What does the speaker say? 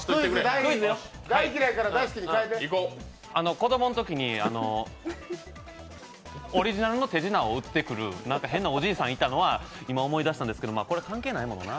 子供のときにオリジナルの手品を売ってくるなんか変なおじいさんいたの今思い出したんですけどこれ、関係ないもんな。